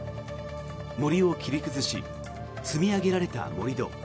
森を切り崩し積み上げられた盛り土。